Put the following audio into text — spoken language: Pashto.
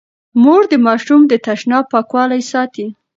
مور د ماشوم د تشناب پاکوالی ساتي.